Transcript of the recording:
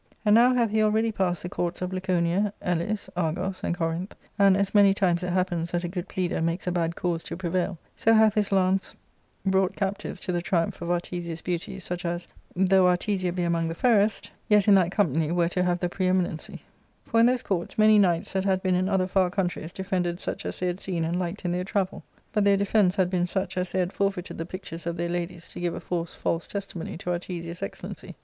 And now hath he y already passed the courts of Laconia, Elis, Argos, and Co rinth ; and, as many times it happens that a good pleader makes a bad cause to prevail, so hath his lance brought cap tives to the triumph of Artesia's beauty such as, though Artesia be among the fairest, yet in that company were to have the pre eminency ; for in those courts many knights that had been in other far countries defended such as they had seen and liked in their travel ; but their defence had been such as they had forfeited the pictures of their ladies to give a forced false testimony to Artesia's excellency.